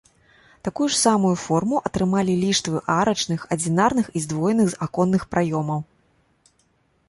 Такую ж самую форму атрымалі ліштвы арачных адзінарных і здвоеных аконных праёмаў.